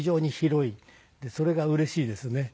それがうれしいですね。